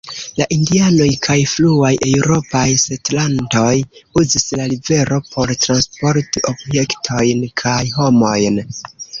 La Indianoj kaj fruaj eŭropaj setlantoj uzis la rivero por transporti objektojn kaj homojn.